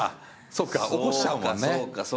そうか起こしちゃうもんね。